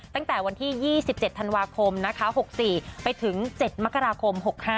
ตั้งแต่วันที่๒๗ธันวาคมนะคะ๖๔ไปถึง๗มกราคม๖๕